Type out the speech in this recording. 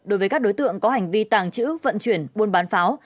đối với các đối tượng có hành vi tàng trữ vận chuyển buôn bán pháo